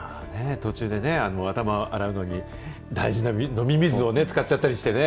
途中でね、頭洗うのに、大事な飲み水を使っちゃったりしてね。